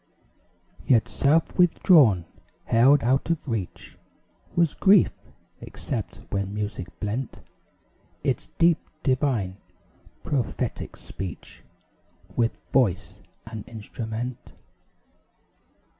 Yet self withdrawn held out of reach Was grief; except when music blent Its deep, divine, prophetic speech With voice and instrument.